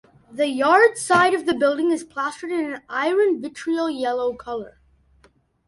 The yard side of the building is plastered in an iron vitriol yellow color.